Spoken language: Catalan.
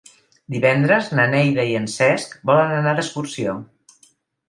Divendres na Neida i en Cesc volen anar d'excursió.